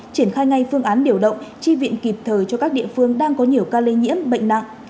triển khai ngay phương án điều động tri viện kịp thời cho các địa phương đang có nhiều ca lây nhiễm bệnh nặng